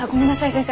先生